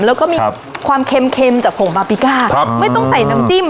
แล้วก็มีความเค็มจากผงบาปิก้าครับไม่ต้องใส่น้ำจิ้ม